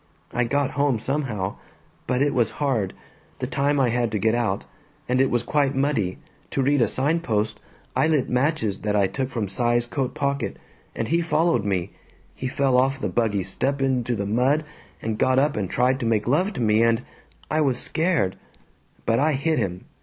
I got home, somehow. But it was hard, the time I had to get out, and it was quite muddy, to read a sign post I lit matches that I took from Cy's coat pocket, and he followed me he fell off the buggy step into the mud, and got up and tried to make love to me, and I was scared. But I hit him.